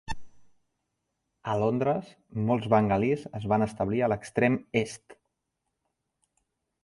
A Londres, molts bengalís es van establir a l'extrem est.